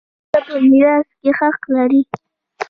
ښځه په میراث کي حق لري.